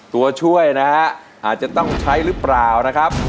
ตัวช่วยนะฮะอาจจะต้องใช้หรือเปล่านะครับ